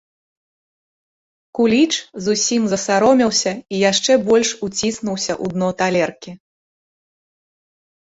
Куліч зусім засаромеўся і яшчэ больш уціснуўся ў дно талеркі.